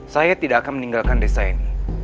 saya tidak akan meninggalkan desa ini